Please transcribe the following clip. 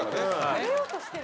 食べようとしてる。